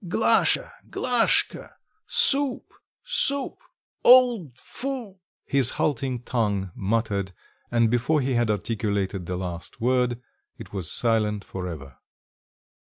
"Glasha, Glashka! soup, soup, old foo " his halting tongue muttered and before he had articulated the last word, it was silent for ever.